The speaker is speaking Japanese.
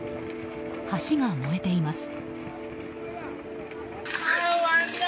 橋が燃えています。